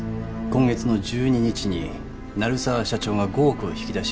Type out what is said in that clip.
今月の１２日に鳴沢社長が５億を引き出し